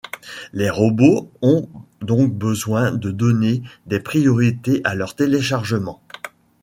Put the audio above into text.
Les robots ont donc besoin de donner des priorités à leurs téléchargements.